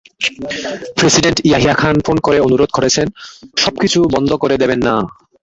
President Yahya Khan phone করে অনুরোধ করেছেন, সবকিছু বন্ধ করে দেবেন না।